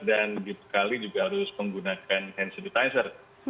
dan dibekali juga harus menggunakan hand sanitizer